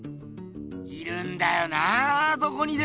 いるんだよなどこにでも！